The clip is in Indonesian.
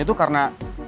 ini tuh karena